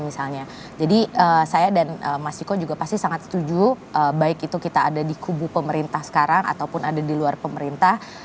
misalnya jadi saya dan mas ciko juga pasti sangat setuju baik itu kita ada di kubu pemerintah sekarang ataupun ada di luar pemerintah